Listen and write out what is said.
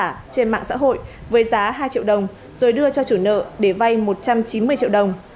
giả trên mạng xã hội với giá hai triệu đồng rồi đưa cho chủ nợ để vay một trăm chín mươi triệu đồng